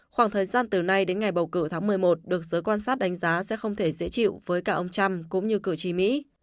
khoảng thời gian từ nay đến ngày bầu cử tháng một mươi một được giới quan sát đánh giá sẽ không thể dễ chịu với cả ông trump cũng như cử tri mỹ